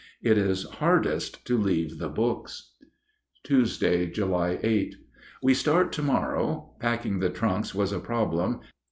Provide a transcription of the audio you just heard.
It is hardest to leave the books. Tuesday, July 8. We start to morrow. Packing the trunks was a problem.